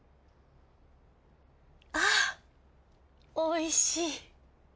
あおいしい。